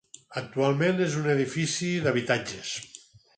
Actualment és un edifici d'habitatges.